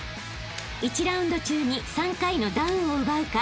［１ラウンド中に３回のダウンを奪うか